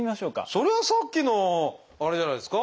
それはさっきのあれじゃないですか？